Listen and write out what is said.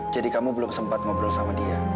jadi kamu belum sempat ngobrol sama dia